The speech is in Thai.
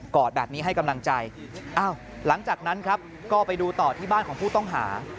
อดแบบนี้ให้กำลังใจอ้าวหลังจากนั้นครับก็ไปดูต่อที่บ้านของผู้ต้องหา